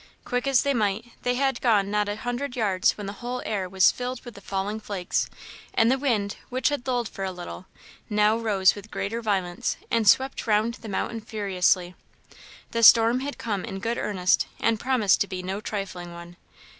Quick as they might, they had gone not a hundred yards when the whole air was filled with the falling flakes, and the wind, which had lulled for a little, now rose with greater violence, and swept round the mountain furiously. The storm had come in good earnest, and promised to be no trifling one.